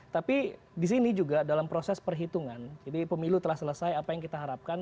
tapi di sini juga dalam proses perhitungan jadi pemilu telah selesai apa yang kita harapkan